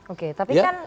oke tapi kan